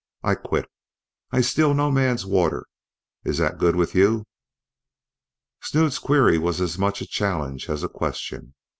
I quit. I steal no man's water. Is thet good with you?" Snood's query was as much a challenge as a question.